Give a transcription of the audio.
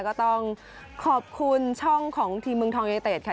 ก็ต้องขอบคุณช่องของทีมเมืองทองยูเนเต็ดค่ะ